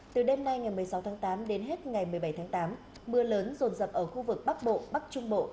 từ đêm nay ngày một mươi sáu tháng tám đến hết ngày một mươi bảy tháng tám mưa lớn rồn rập ở khu vực bắc bộ bắc trung bộ